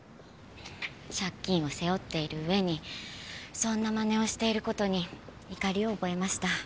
借金を背負っている上にそんなまねをしている事に怒りを覚えました。